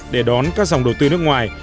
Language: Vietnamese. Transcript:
để đón các dòng đầu tư nước ngoài